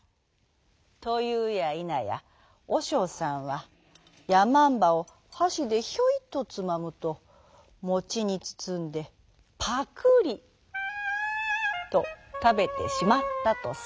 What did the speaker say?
というやいなやおしょうさんはやまんばをはしでヒョイとつまむともちにつつんでパクリとたべてしまったとさ。